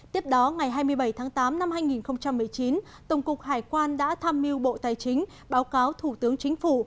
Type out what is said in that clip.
tiếp đó ngày hai mươi bảy tháng tám năm hai nghìn một mươi chín tổng cục hải quan đã tham mưu bộ tài chính báo cáo thủ tướng chính phủ